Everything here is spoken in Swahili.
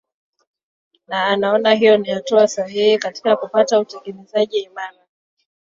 na anaona hiyo ni hatua sahihi katika kupata utekelezaji imara